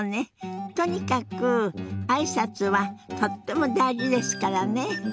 とにかく挨拶はとっても大事ですからね。